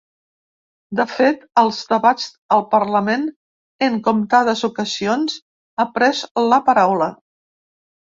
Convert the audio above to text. De fet, als debats al parlament, en comptades ocasions ha pres la paraula.